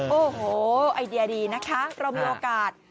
โอ้โหไอเดียดีนะคะเรามีโอกาส